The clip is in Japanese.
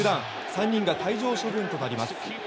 ３人が退場処分となります。